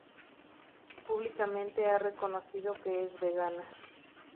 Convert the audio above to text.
Públicamente ha reconocido que es vegana.